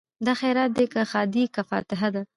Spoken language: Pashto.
دا خیرات دی که ښادي که فاتحه ده